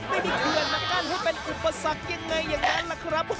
ไม่ได้เคลื่อนมากั้นให้เป็นอุปสรรคยังไงอย่างนั้นล่ะครับ